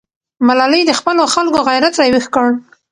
ملالۍ د خپلو خلکو غیرت راویښ کړ.